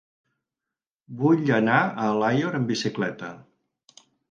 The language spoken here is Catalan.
Vull anar a Alaior amb bicicleta.